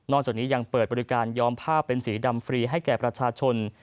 จากนี้ยังเปิดบริการยอมผ้าเป็นสีดำฟรีให้แก่ประชาชน